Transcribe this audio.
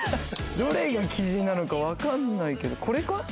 どれが雉なのか分かんないけどこれか？